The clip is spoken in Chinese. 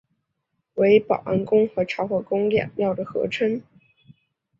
为保安宫与潮和宫两庙的合称。